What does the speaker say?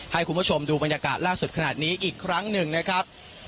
ให้คุณผู้ชมดูบรรยากาศล่าสุดขนาดนี้อีกครั้งหนึ่งนะครับ